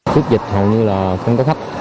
trước dịch hầu như là không có khách